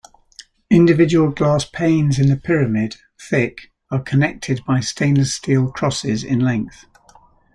Individual glass panes in the pyramid, thick, are connected by stainless-steel crosses in length.